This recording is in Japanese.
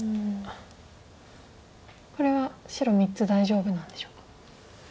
これは白３つ大丈夫なんでしょうか。